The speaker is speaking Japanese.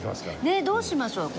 ねえどうしましょう？